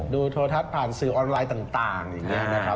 โทรทัศน์ผ่านสื่อออนไลน์ต่างอย่างนี้นะครับ